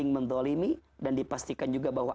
mendolimi dan dipastikan juga bahwa